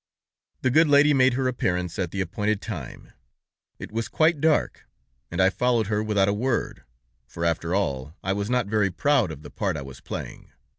"The good lady made her appearance at the appointed time. It was quite dark, and I followed her without a word, for, after all, I was not very proud of the part I was playing.